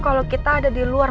kalau kita ada di luar